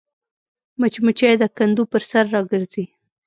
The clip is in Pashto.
مچمچۍ د کندو پر سر راګرځي